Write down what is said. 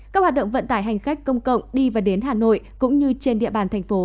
các hoạt động vận tải hành khách công cộng đi và đến hà nội cũng như trên địa bàn thành phố